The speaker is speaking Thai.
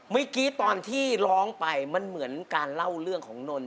เมื่อกี้ตอนที่ร้องไปมันเหมือนการเล่าเรื่องของนนท